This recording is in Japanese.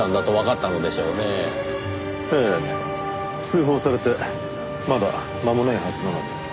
通報されてまだ間もないはずなのに。